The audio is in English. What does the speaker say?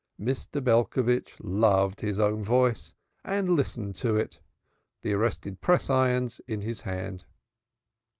Mr. Belcovitch loved his own voice and listened to it, the arrested press iron in his hand.